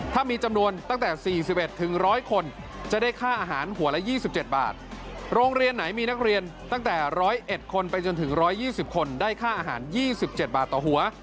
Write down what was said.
ถ้ามีจำนวนตั้งแต่สี่สิบเอ็ดถึงร้อยคนจะได้ค่าอาหารหัวละยี่สิบเจ็ดบาทโรงเรียนไหนมีนักเรียนตั้งแต่ร้อยเอ็ดคนไปจนถึงร้อยยี่สิบคนได้ค่าอาหารยี่สิบเจ็ดบาทต่อหัว